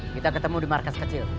kita ketemu di markas kecil